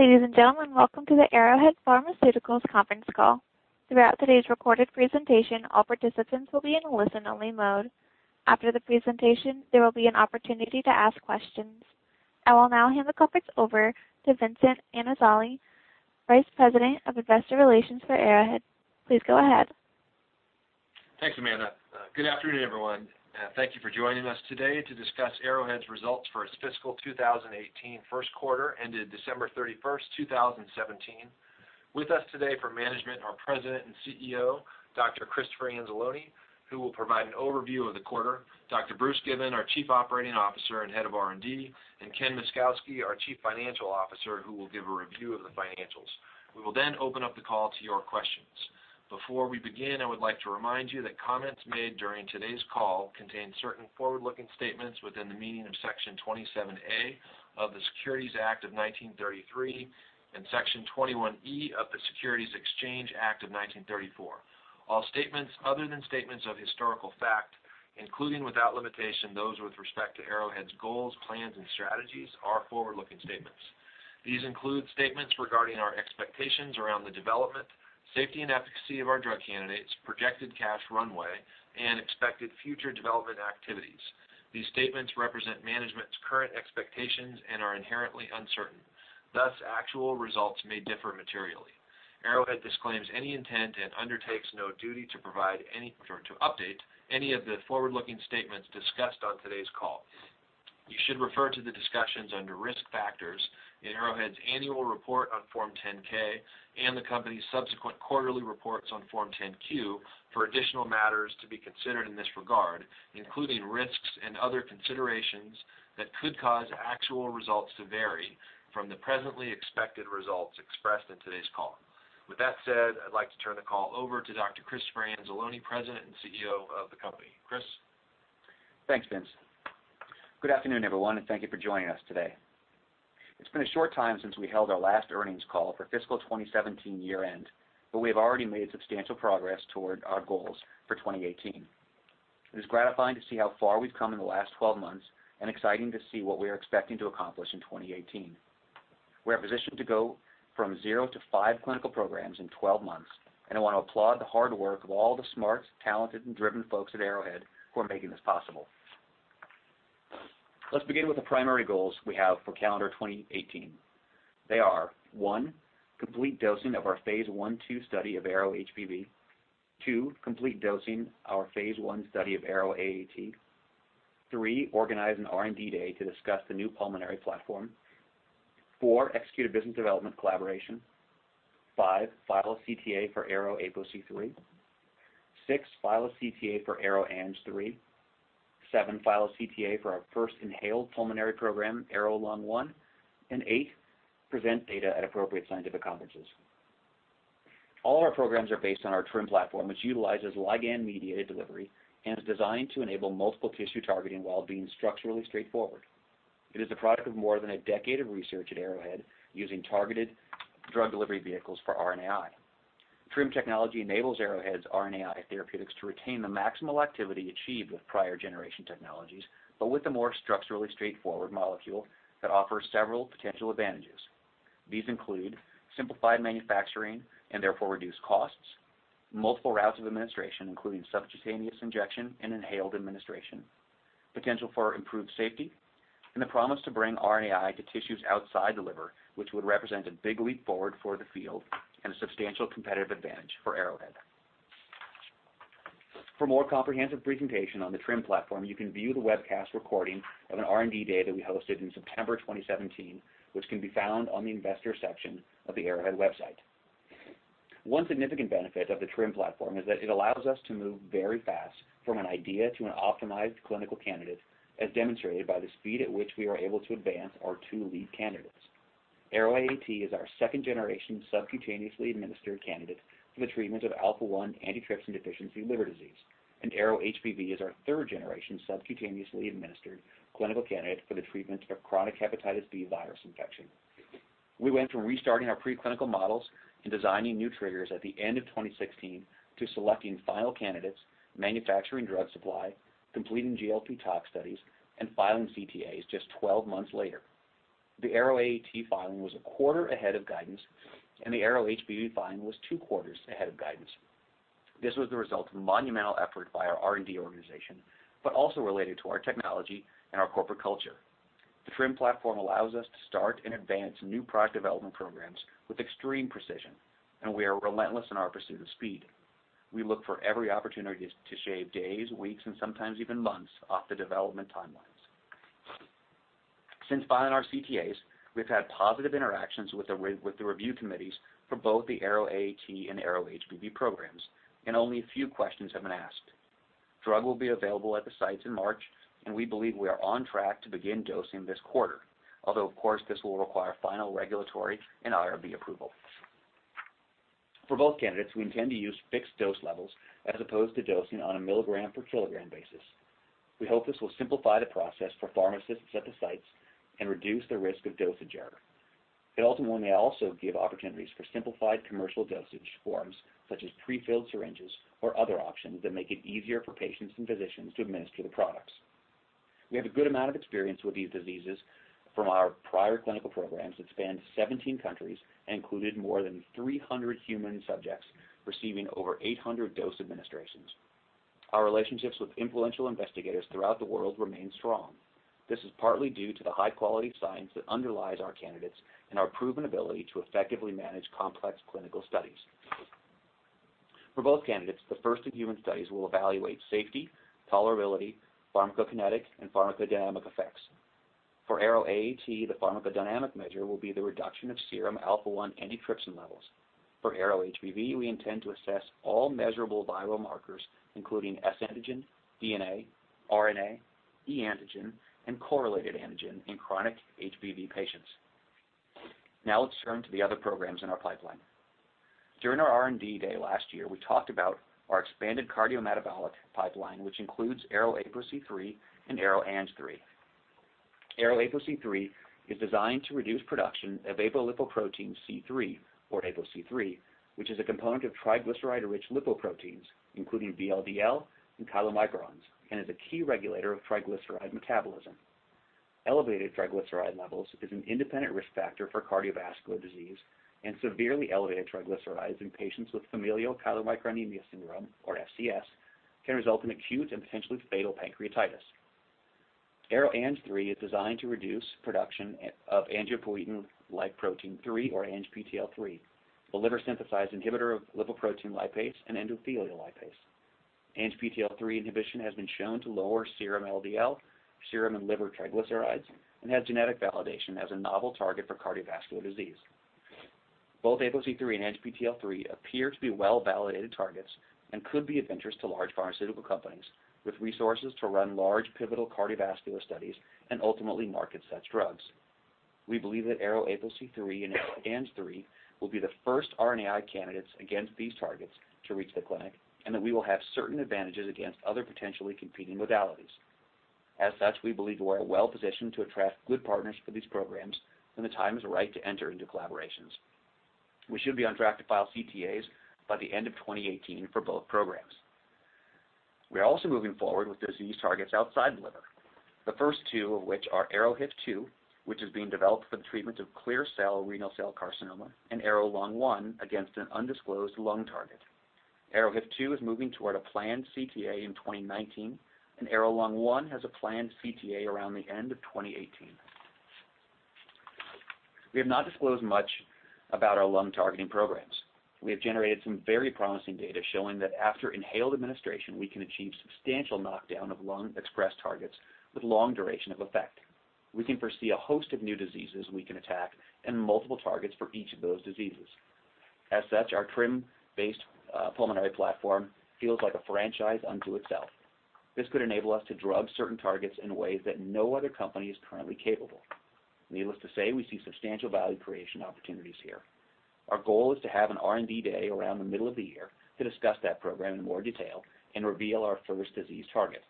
Ladies and gentlemen, welcome to the Arrowhead Pharmaceuticals conference call. Throughout today's recorded presentation, all participants will be in listen only mode. After the presentation, there will be an opportunity to ask questions. I will now hand the conference over to Vincent Anzalone, Vice President of Investor Relations for Arrowhead. Please go ahead. Thanks, Amanda. Good afternoon, everyone. Thank you for joining us today to discuss Arrowhead's results for its fiscal 2018 first quarter ended December 31st, 2017. With us today for management are President and CEO, Dr. Christopher Anzalone, who will provide an overview of the quarter, Dr. Bruce Given, our Chief Operating Officer and Head of R&D, and Ken Myszkowski, our Chief Financial Officer, who will give a review of the financials. We will open up the call to your questions. Before we begin, I would like to remind you that comments made during today's call contain certain forward-looking statements within the meaning of Section 27A of the Securities Act of 1933 and Section 21E of the Securities Exchange Act of 1934. All statements other than statements of historical fact, including without limitation those with respect to Arrowhead's goals, plans and strategies, are forward-looking statements. These include statements regarding our expectations around the development, safety and efficacy of our drug candidates, projected cash runway, and expected future development activities. These statements represent management's current expectations and are inherently uncertain, thus actual results may differ materially. Arrowhead disclaims any intent and undertakes no duty to provide or to update any of the forward-looking statements discussed on today's call. You should refer to the discussions under Risk Factors in Arrowhead's annual report on Form 10-K, and the company's subsequent quarterly reports on Form 10-Q for additional matters to be considered in this regard, including risks and other considerations that could cause actual results to vary from the presently expected results expressed in today's call. With that said, I'd like to turn the call over to Dr. Christopher Anzalone, President and CEO of the company. Chris? Thanks, Vince. Good afternoon, everyone, and thank you for joining us today. It's been a short time since we held our last earnings call for fiscal 2017 year-end, but we have already made substantial progress toward our goals for 2018. It is gratifying to see how far we've come in the last 12 months, and exciting to see what we are expecting to accomplish in 2018. We are positioned to go from zero to five clinical programs in 12 months, and I want to applaud the hard work of all the smart, talented and driven folks at Arrowhead who are making this possible. Let's begin with the primary goals we have for calendar 2018. They are, one, complete dosing of our phase I/II study of ARO-HBV. two, complete dosing our phase I study of ARO-AAT. three, organize an R&D day to discuss the new pulmonary platform. 4, execute a business development collaboration. 5, file a CTA for ARO-APOC3. 6, file a CTA for ARO-ANG3. 7, file a CTA for our first inhaled pulmonary program, ARO-LUNG1, and 8, present data at appropriate scientific conferences. All our programs are based on our TRiM platform, which utilizes ligand mediated delivery and is designed to enable multiple tissue targeting while being structurally straightforward. It is a product of more than a decade of research at Arrowhead using targeted drug delivery vehicles for RNAi. TRiM technology enables Arrowhead's RNAi therapeutics to retain the maximal activity achieved with prior generation technologies, but with a more structurally straightforward molecule that offers several potential advantages. These include simplified manufacturing and therefore reduced costs, multiple routes of administration, including subcutaneous injection and inhaled administration, potential for improved safety, and the promise to bring RNAi to tissues outside the liver, which would represent a big leap forward for the field and a substantial competitive advantage for Arrowhead. For a more comprehensive presentation on the TRiM platform, you can view the webcast recording of an R&D day we hosted in September 2017, which can be found on the investor section of the Arrowhead website. One significant benefit of the TRiM platform is that it allows us to move very fast from an idea to an optimized clinical candidate, as demonstrated by the speed at which we are able to advance our 2 lead candidates. ARO-AAT is our second generation subcutaneously administered candidate for the treatment of alpha-1 antitrypsin deficiency liver disease, and ARO-HBV is our third generation subcutaneously administered clinical candidate for the treatment of chronic hepatitis B virus infection. We went from restarting our preclinical models and designing new triggers at the end of 2016 to selecting final candidates, manufacturing drug supply, completing GLP tox studies, and filing CTAs just 12 months later. The ARO-AAT filing was a quarter ahead of guidance, and the ARO-HBV filing was 2 quarters ahead of guidance. This was the result of a monumental effort by our R&D organization, but also related to our technology and our corporate culture. The TRiM platform allows us to start and advance new product development programs with extreme precision, and we are relentless in our pursuit of speed. We look for every opportunity to shave days, weeks, and sometimes even months off the development timelines. Since filing our CTAs, we've had positive interactions with the review committees for both the ARO-AAT and ARO-HBV programs, and only a few questions have been asked. Drug will be available at the sites in March, and we believe we are on track to begin dosing this quarter. Although, of course, this will require final regulatory and IRB approval. For both candidates, we intend to use fixed dose levels as opposed to dosing on a milligram per kilogram basis. We hope this will simplify the process for pharmacists at the sites and reduce the risk of dosage error. It ultimately may also give opportunities for simplified commercial dosage forms, such as prefilled syringes or other options that make it easier for patients and physicians to administer the products. We have a good amount of experience with these diseases from our prior clinical programs that spanned 17 countries and included more than 300 human subjects receiving over 800 dose administrations. Our relationships with influential investigators throughout the world remain strong. This is partly due to the high-quality science that underlies our candidates and our proven ability to effectively manage complex clinical studies. For both candidates, the first-in-human studies will evaluate safety, tolerability, pharmacokinetic, and pharmacodynamic effects. For ARO-AAT, the pharmacodynamic measure will be the reduction of serum alpha-1 antitrypsin levels. For ARO-HBV, we intend to assess all measurable biomarkers, including S antigen, DNA, RNA, E antigen, and core-related antigen in chronic HBV patients. Now let's turn to the other programs in our pipeline. During our R&D day last year, we talked about our expanded cardiometabolic pipeline, which includes ARO-APOC3 and ARO-ANG3. ARO-APOC3 is designed to reduce production of apolipoprotein C-III, or APOC3, which is a component of triglyceride-rich lipoproteins, including VLDL and chylomicrons, and is a key regulator of triglyceride metabolism. Elevated triglyceride levels is an independent risk factor for cardiovascular disease, and severely elevated triglycerides in patients with familial chylomicronemia syndrome, or FCS, can result in acute and potentially fatal pancreatitis. ARO-ANG3 is designed to reduce production of angiopoietin-like protein 3, or ANGPTL3, a liver-synthesized inhibitor of lipoprotein lipase and endothelial lipase. ANGPTL3 inhibition has been shown to lower serum LDL, serum and liver triglycerides, and has genetic validation as a novel target for cardiovascular disease. Both APOC3 and ANGPTL3 appear to be well-validated targets and could be of interest to large pharmaceutical companies with resources to run large pivotal cardiovascular studies and ultimately market such drugs. We believe that ARO-APOC3 and ARO-ANG3 will be the first RNAi candidates against these targets to reach the clinic, and that we will have certain advantages against other potentially competing modalities. As such, we believe we are well-positioned to attract good partners for these programs when the time is right to enter into collaborations. We should be on track to file CTAs by the end of 2018 for both programs. We are also moving forward with disease targets outside the liver. The first two of which are ARO-HIF2, which is being developed for the treatment of clear cell renal cell carcinoma, and ARO-LUNG1 against an undisclosed lung target. ARO-HIF2 is moving toward a planned CTA in 2019, and ARO-LUNG1 has a planned CTA around the end of 2018. We have not disclosed much about our lung targeting programs. We have generated some very promising data showing that after inhaled administration, we can achieve substantial knockdown of lung-expressed targets with long duration of effect. We can foresee a host of new diseases we can attack and multiple targets for each of those diseases. As such, our TRiM-based pulmonary platform feels like a franchise unto itself. This could enable us to drug certain targets in ways that no other company is currently capable. Needless to say, we see substantial value creation opportunities here. Our goal is to have an R&D day around the middle of the year to discuss that program in more detail and reveal our first disease target.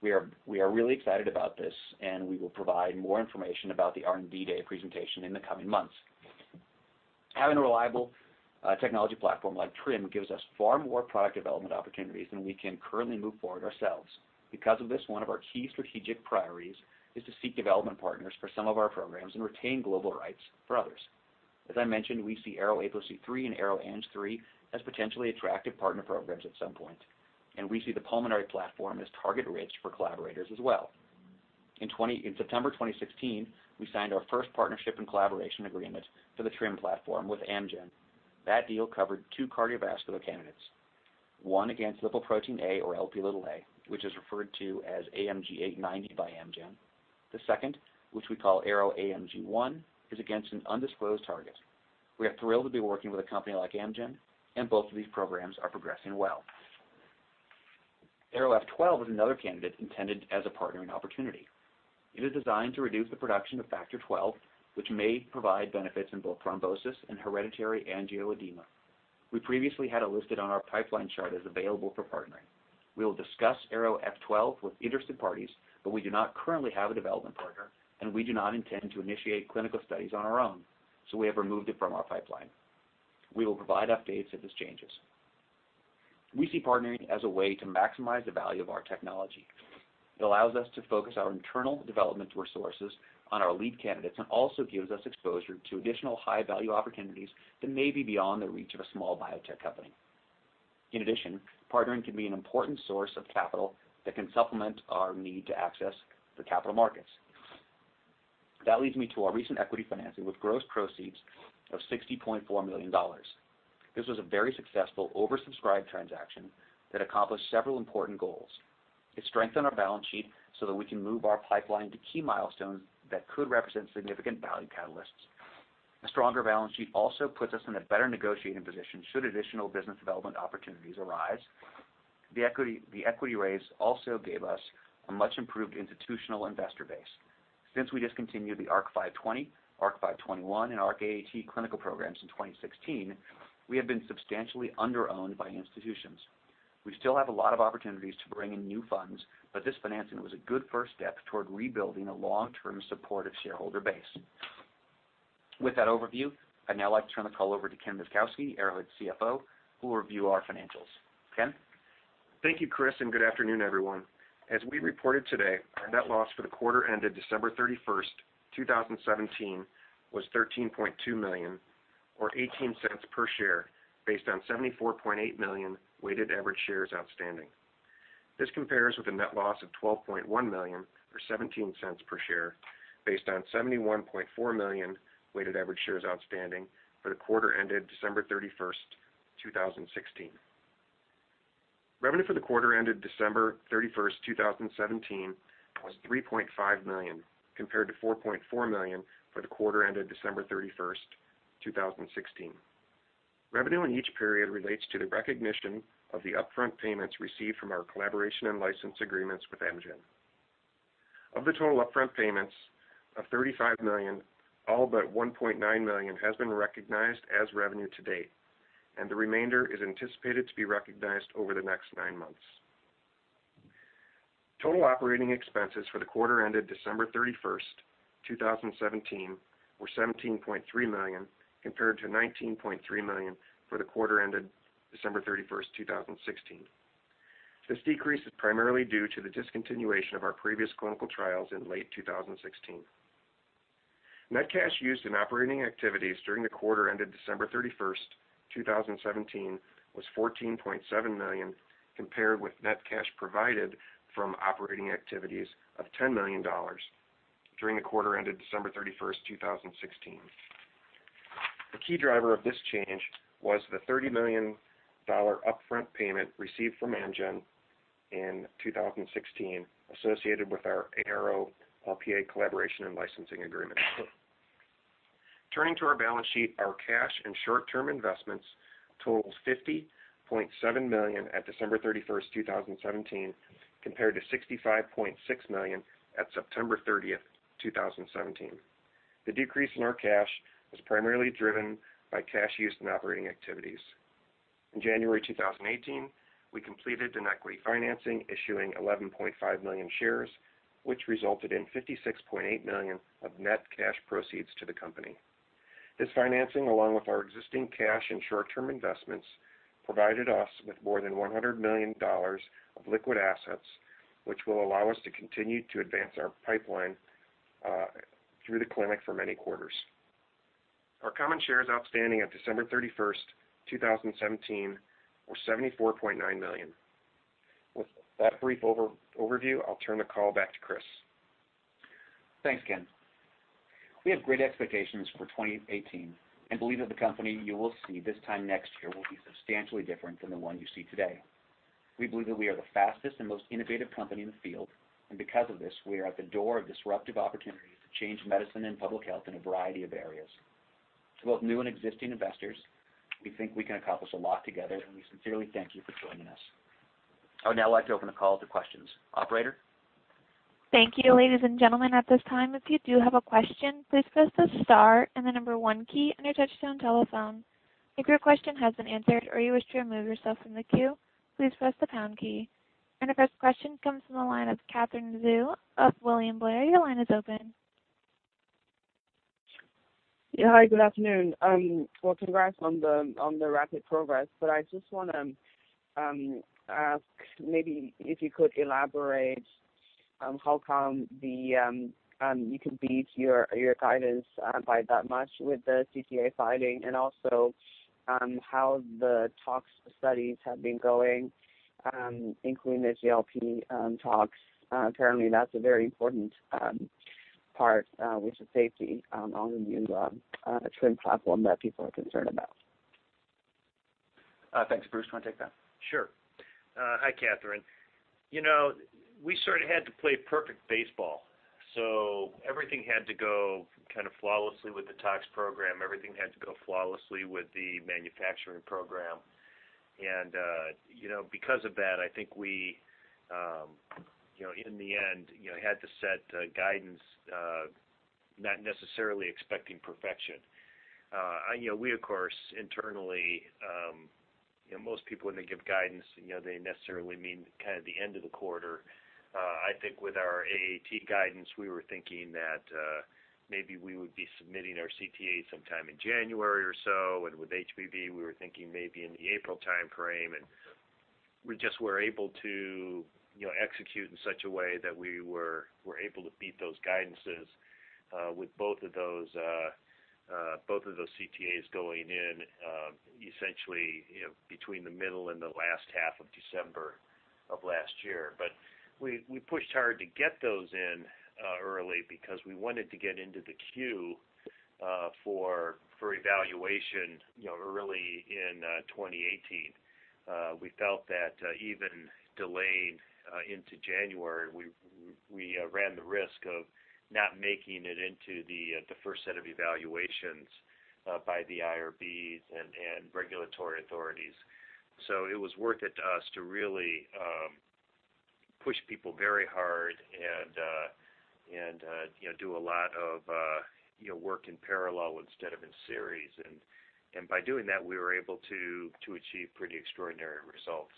We are really excited about this, and we will provide more information about the R&D day presentation in the coming months. Having a reliable technology platform like TRiM gives us far more product development opportunities than we can currently move forward ourselves. Because of this, one of our key strategic priorities is to seek development partners for some of our programs and retain global rights for others. As I mentioned, we see ARO-APOC3 and ARO-ANG3 as potentially attractive partner programs at some point, and we see the pulmonary platform as target-rich for collaborators as well. In September 2016, we signed our first partnership and collaboration agreement for the TRiM platform with Amgen. That deal covered two cardiovascular candidates, one against lipoprotein(a), or Lp(a), which is referred to as AMG 890 by Amgen. The second, which we call ARO-AMG1, is against an undisclosed target. We are thrilled to be working with a company like Amgen, and both of these programs are progressing well. ARO-F12 is another candidate intended as a partnering opportunity. It is designed to reduce the production of Factor XII, which may provide benefits in both thrombosis and hereditary angioedema. We previously had it listed on our pipeline chart as available for partnering. We will discuss ARO-F12 with interested parties, but we do not currently have a development partner, and we do not intend to initiate clinical studies on our own, so we have removed it from our pipeline. We will provide updates if this changes. We see partnering as a way to maximize the value of our technology. It allows us to focus our internal development resources on our lead candidates and also gives us exposure to additional high-value opportunities that may be beyond the reach of a small biotech company. In addition, partnering can be an important source of capital that can supplement our need to access the capital markets. That leads me to our recent equity financing with gross proceeds of $60.4 million. This was a very successful oversubscribed transaction that accomplished several important goals. It strengthened our balance sheet so that we can move our pipeline to key milestones that could represent significant value catalysts. A stronger balance sheet also puts us in a better negotiating position should additional business development opportunities arise. The equity raise also gave us a much-improved institutional investor base. Since we discontinued the ARC-520, ARC-521, and ARC-AAT clinical programs in 2016, we have been substantially under-owned by institutions. We still have a lot of opportunities to bring in new funds, but this financing was a good first step toward rebuilding a long-term supportive shareholder base. With that overview, I'd now like to turn the call over to Ken Myszkowski, Arrowhead CFO, who will review our financials. Ken? Thank you, Chris, and good afternoon, everyone. As we reported today, our net loss for the quarter ended December 31st, 2017, was $13.2 million, or $0.18 per share, based on 74.8 million weighted average shares outstanding. This compares with a net loss of $12.1 million or $0.17 per share, based on 71.4 million weighted average shares outstanding for the quarter ended December 31st, 2016. Revenue for the quarter ended December 31st, 2017, was $3.5 million, compared to $4.4 million for the quarter ended December 31st, 2016. Revenue in each period relates to the recognition of the upfront payments received from our collaboration and license agreements with Amgen. Of the total upfront payments of $35 million, all but $1.9 million has been recognized as revenue to date, and the remainder is anticipated to be recognized over the next nine months. Total operating expenses for the quarter ended December 31st, 2017, were $17.3 million, compared to $19.3 million for the quarter ended December 31st, 2016. This decrease is primarily due to the discontinuation of our previous clinical trials in late 2016. Net cash used in operating activities during the quarter ended December 31st, 2017, was $14.7 million, compared with net cash provided from operating activities of $10 million during the quarter ended December 31st, 2016. The key driver of this change was the $30 million upfront payment received from Amgen in 2016 associated with our ARO-LPA collaboration and licensing agreement. Turning to our balance sheet, our cash and short-term investments totals $50.7 million at December 31st, 2017, compared to $65.6 million at September 30th, 2017. The decrease in our cash was primarily driven by cash used in operating activities. In January 2018, we completed an equity financing issuing 11.5 million shares, which resulted in $56.8 million of net cash proceeds to the company. This financing, along with our existing cash and short-term investments, provided us with more than $100 million of liquid assets, which will allow us to continue to advance our pipeline through the clinic for many quarters. Our common shares outstanding at December 31st, 2017, were 74.9 million. With that brief overview, I'll turn the call back to Chris. Thanks, Ken. We have great expectations for 2018. We believe that the company you will see this time next year will be substantially different than the one you see today. We believe that we are the fastest and most innovative company in the field. Because of this, we are at the door of disruptive opportunities to change medicine and public health in a variety of areas. To both new and existing investors, we think we can accomplish a lot together. We sincerely thank you for joining us. I would now like to open the call to questions. Operator? Thank you, ladies and gentlemen. At this time, if you do have a question, please press the star and the number one key on your touchtone telephone. If your question has been answered or you wish to remove yourself from the queue, please press the pound key. Our first question comes from the line of Katherine Xu of William Blair. Your line is open. Yeah. Hi, good afternoon. Congrats on the rapid progress, I just want to ask maybe if you could elaborate on how come you could beat your guidance by that much with the CTA filing, also on how the tox studies have been going, including the GLP tox. Apparently, that's a very important part with the safety on the new TRiM platform that people are concerned about. Thanks. Bruce, do you want to take that? Sure. Hi, Katherine. We sort of had to play perfect baseball, everything had to go kind of flawlessly with the tox program. Everything had to go flawlessly with the manufacturing program. Because of that, I think we, in the end, had to set guidance, not necessarily expecting perfection. We, of course, internally, most people when they give guidance, they necessarily mean kind of the end of the quarter. I think with our AAT guidance, we were thinking that maybe we would be submitting our CTA sometime in January or so. With HBV, we were thinking maybe in the April timeframe. We just were able to execute in such a way that we were able to beat those guidances, with both of those CTAs going in, essentially, between the middle and the last half of December of last year. We pushed hard to get those in early because we wanted to get into the queue for evaluation early in 2018. We felt that even delaying into January, we ran the risk of not making it into the first set of evaluations by the IRBs and regulatory authorities. It was worth it to us. We pushed people very hard and do a lot of work in parallel instead of in series. By doing that, we were able to achieve pretty extraordinary results.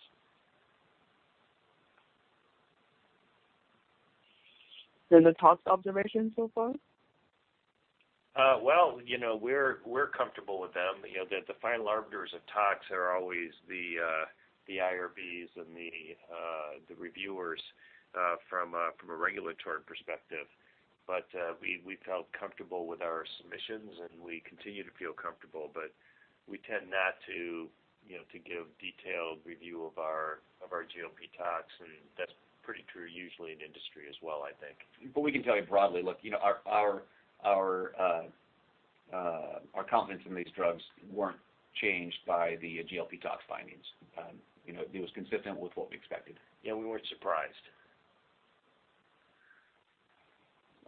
The tox observation so far? Well, we're comfortable with them. The final arbiters of tox are always the IRBs and the reviewers from a regulatory perspective. We felt comfortable with our submissions, and we continue to feel comfortable, but we tend not to give detailed review of our GLP tox, and that's pretty true usually in the industry as well, I think. We can tell you broadly. Look, our confidence in these drugs weren't changed by the GLP tox findings. It was consistent with what we expected. Yeah, we weren't surprised.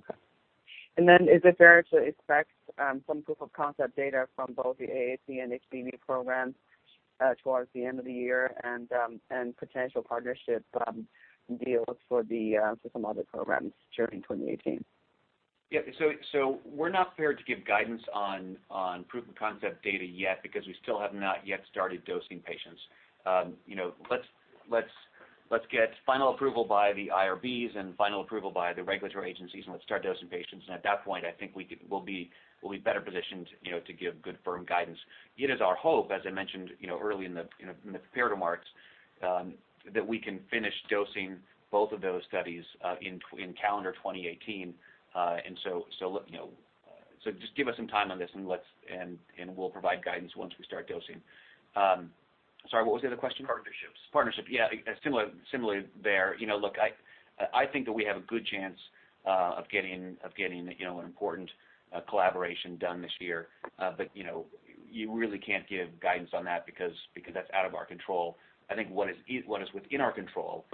Okay. Is it fair to expect some proof of concept data from both the AAT and HBV programs towards the end of the year and potential partnership deals for some other programs during 2018? Yeah. We're not prepared to give guidance on proof of concept data yet because we still have not yet started dosing patients. Let's get final approval by the IRBs and final approval by the regulatory agencies, and let's start dosing patients. At that point, I think we'll be better positioned to give good, firm guidance. It is our hope, as I mentioned early in the prepared remarks, that we can finish dosing both of those studies in calendar 2018. Just give us some time on this, and we'll provide guidance once we start dosing. Sorry, what was the other question? Partnerships. Partnership. Yeah. Similarly, there. Look, I think that we have a good chance of getting an important collaboration done this year. You really can't give guidance on that because that's out of our control. I think what is within our control,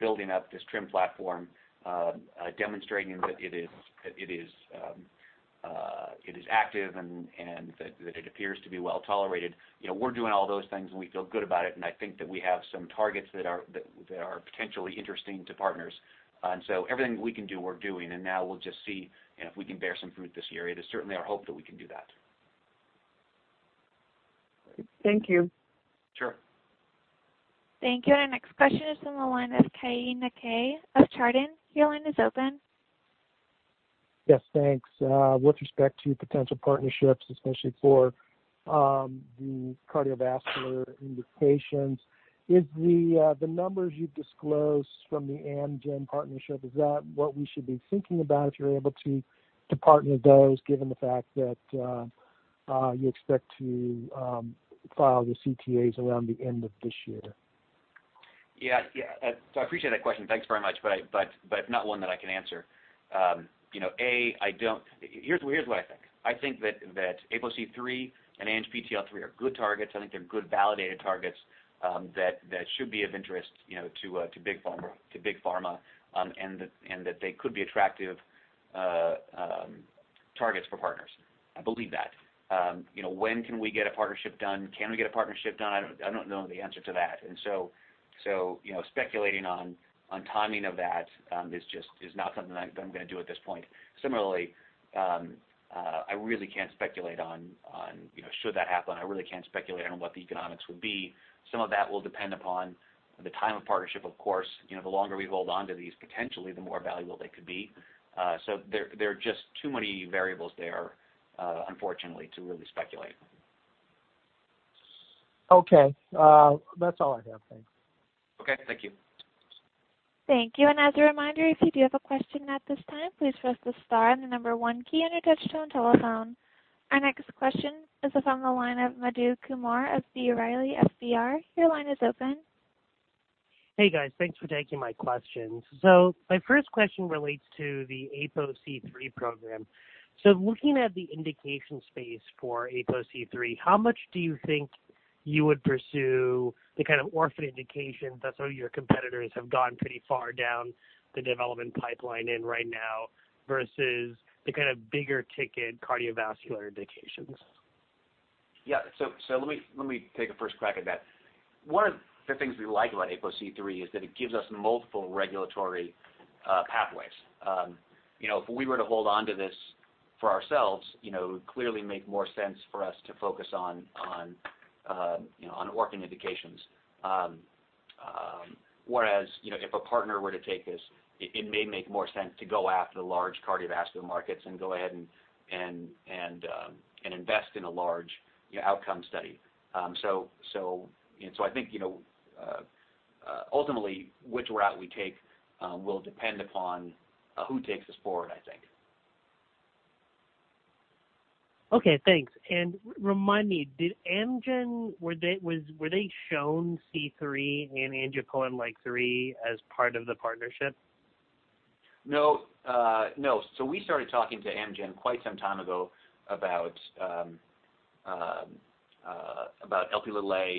building up this TRiM platform, demonstrating that it is active and that it appears to be well-tolerated. We're doing all those things, and we feel good about it, and I think that we have some targets that are potentially interesting to partners. Everything that we can do, we're doing, and now we'll just see if we can bear some fruit this year. It is certainly our hope that we can do that. Great. Thank you. Sure. Thank you. Our next question is on the line with Keay Nakae of Chardan. Your line is open. Yes, thanks. With respect to potential partnerships, especially for the cardiovascular indications, is the numbers you've disclosed from the Amgen partnership, is that what we should be thinking about if you're able to partner those, given the fact that you expect to file the CTAs around the end of this year? Yeah. I appreciate that question. Thanks very much. It's not one that I can answer. Here's what I think. I think that APOC3 and ANGPTL3 are good targets. I think they're good, validated targets that should be of interest to big pharma, and that they could be attractive targets for partners. I believe that. When can we get a partnership done? Can we get a partnership done? I don't know the answer to that. Speculating on timing of that is not something that I'm going to do at this point. Similarly, I really can't speculate on should that happen. I really can't speculate on what the economics would be. Some of that will depend upon the time of partnership, of course. The longer we hold onto these, potentially the more valuable they could be. There are just too many variables there, unfortunately, to really speculate. Okay. That's all I have. Thanks. Okay. Thank you. Thank you. As a reminder, if you do have a question at this time, please press the star and the number one key on your touch tone telephone. Our next question is on the line of Madhu Kumar of B. Riley FBR. Your line is open. Hey, guys. Thanks for taking my questions. My first question relates to the APOC3 program. Looking at the indication space for APOC3, how much do you think you would pursue the kind of orphan indications that some of your competitors have gone pretty far down the development pipeline in right now versus the kind of bigger ticket cardiovascular indications? Yeah. Let me take a first crack at that. One of the things we like about APOC3 is that it gives us multiple regulatory pathways. If we were to hold onto this for ourselves, it would clearly make more sense for us to focus on orphan indications. Whereas, if a partner were to take this, it may make more sense to go after the large cardiovascular markets and go ahead and invest in a large outcome study. I think, ultimately, which route we take will depend upon who takes this forward, I think. Okay, thanks. Remind me, did Amgen, were they shown C3 and angiopoietin 3 as part of the partnership? No. We started talking to Amgen quite some time ago about Lp(a)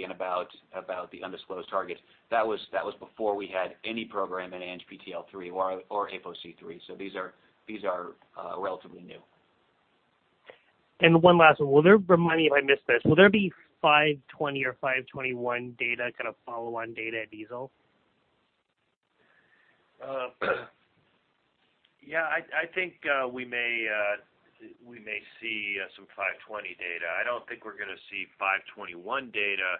and about the undisclosed targets. That was before we had any program in ANGPTL3 or APOC3. These are relatively new. One last one. Remind me if I missed this. Will there be 520 or 521 data, follow-on data at EASL? Yeah. I think we may see some 520 data. I don't think we're going to see 521 data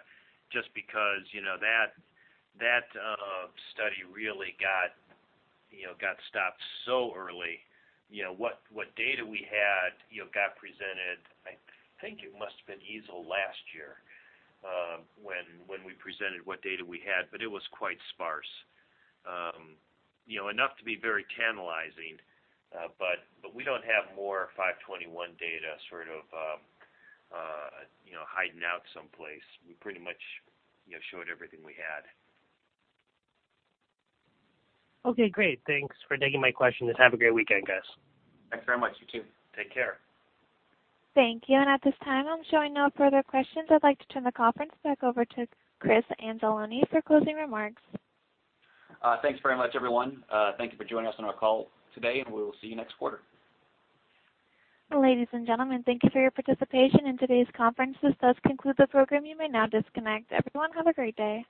just because that study really got stopped so early. What data we had got presented, I think it must have been EASL last year, when we presented what data we had, but it was quite sparse. Enough to be very tantalizing, but we don't have more 521 data sort of hiding out someplace. We pretty much showed everything we had. Okay, great. Thanks for taking my questions. Have a great weekend, guys. Thanks very much. You too. Take care. Thank you. At this time, I'm showing no further questions. I'd like to turn the conference back over to Chris Anzalone for closing remarks. Thanks very much, everyone. Thank you for joining us on our call today. We will see you next quarter. Ladies and gentlemen, thank you for your participation in today's conference. This does conclude the program. You may now disconnect. Everyone, have a great day.